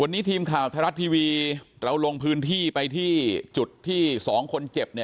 วันนี้ทีมข่าวไทยรัฐทีวีเราลงพื้นที่ไปที่จุดที่สองคนเจ็บเนี่ย